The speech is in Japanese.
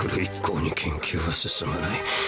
一向に研究は進まない